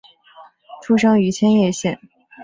出生于千叶县。